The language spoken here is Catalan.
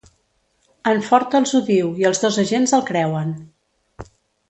En Ford els ho diu i els dos agents el creuen.